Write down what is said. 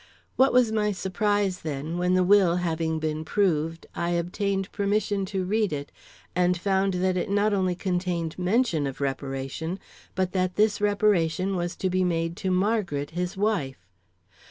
What was my surprise, then, when the will having been proved, I obtained permission to read it and found that it not only contained mention of reparation, but that this reparation was to be made to Margaret his wife.